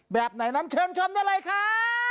แบบไหนนั้นเชิญชมได้เลยครับ